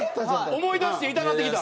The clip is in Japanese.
思い出して痛なってきたん？